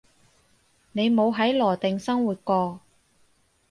你冇喺羅定生活過